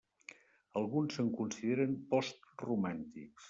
Alguns se'n consideren postromàntics.